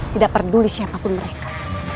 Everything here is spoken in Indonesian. tidak peduli siapapun mereka